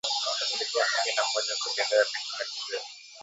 asilimia kumi na moja kwa bidhaa ya petroli na dizeli